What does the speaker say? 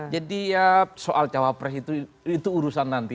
jadi ya soal jawabannya itu